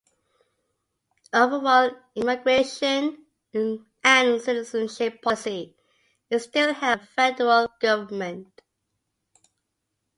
Overall immigration and citizenship policy is still held by the federal government.